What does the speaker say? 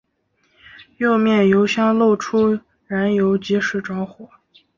右面油箱漏出燃油即时着火。